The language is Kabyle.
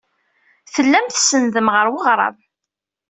Tellam tsenndem ɣer weɣrab.